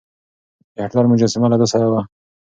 د هېټلر مجسمه له ده سره وه.